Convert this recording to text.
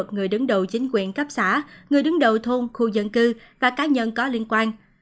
người đứng đầu chính quyền cấp xã người đứng đầu thôn khu dân cư và cá nhân có liên quan